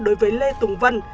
đối với lê tùng vân